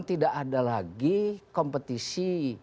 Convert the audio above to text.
tidak ada lagi kompetisi